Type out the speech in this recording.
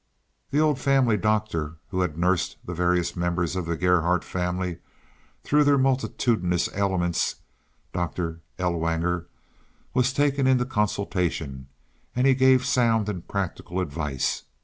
The old family doctor who had nursed the various members of the Gerhardt family through their multitudinous ailments—Doctor Ellwanger—was taken into consultation, and he gave sound and practical advice.